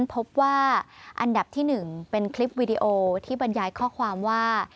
พบว่าอันดับที่๑เป็นคลิปวีดีโอที่บรรยายข้อความว่า